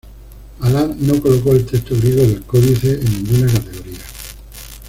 Aland no colocó el texto griego del códice en ninguna categoría.